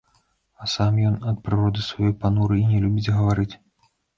А сам ён ад прыроды сваёй пануры і не любіць гаварыць.